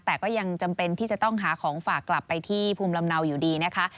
แต่ก็ยังจำเป็นที่จะต้องหาของฝากกลับไปที่ภูมิลำเนาอยู่ดีนะคะ